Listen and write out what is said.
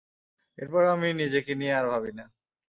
এরপর আমি নিজেকে নিয়ে আর ভাবি না।